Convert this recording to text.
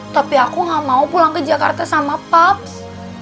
tapi aku gak mau pulang ke jakarta sama pups